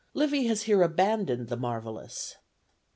Livy has here abandoned the marvellous.